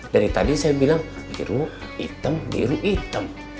dari tadi saya bilang biru hitam biru hitam